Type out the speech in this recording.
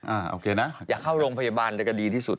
โอเคนะอย่าเข้าโรงพยาบาลเลยก็ดีที่สุด